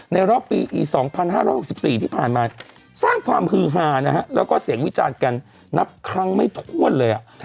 รอบปีอี๒๕๖๔ที่ผ่านมาสร้างความฮือฮานะฮะแล้วก็เสียงวิจารณ์กันนับครั้งไม่ถ้วนเลย